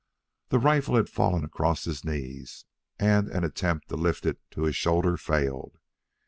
The rifle had fallen across his knees, and an attempt to lift it to his shoulder failed.